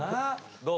どう？